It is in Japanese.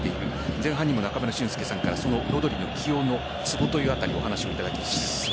前半にも中村俊輔さんからロドリの起用のツボというあたりをいただきました。